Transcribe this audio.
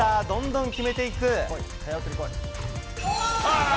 どんどん決めていく。